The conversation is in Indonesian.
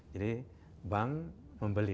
jadi bank membeli